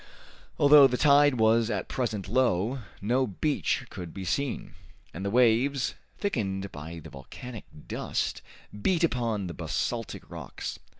Although the tide was at present low, no beach could be seen, and the waves, thickened by the volcanic dust, beat upon the basaltic rocks.